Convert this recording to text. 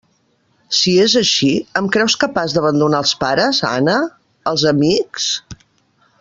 Si és així, em creus capaç d'abandonar els pares, Anna, els amics...?